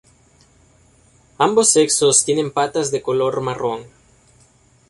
Ambos sexos tienen patas de color marrón.